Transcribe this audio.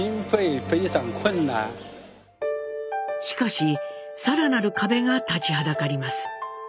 しかし更なる壁が立ちはだかります。